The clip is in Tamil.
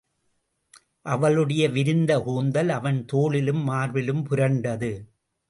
அவளுடைய விரிந்த கூந்தல் அவன் தோளிலும் மார்பிலும் புரண்டது.